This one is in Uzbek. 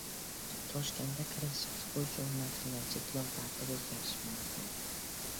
Toshkentga kirish-chiqish bo‘yicha o‘rnatilgan cheklov tartibi o‘zgartirilishi mumkin